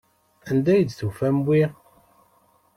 Anda ay d-tufam wi?